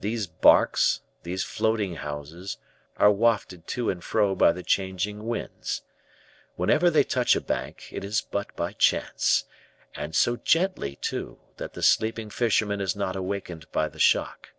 These barks, these floating houses, are wafted to and fro by the changing winds. Whenever they touch a bank, it is but by chance; and so gently, too, that the sleeping fisherman is not awakened by the shock.